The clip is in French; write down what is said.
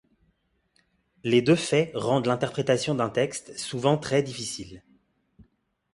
Les deux faits rendent l'interprétation d'un texte souvent très difficile.